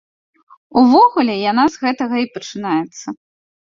Увогуле, яна з гэтага і пачынаецца.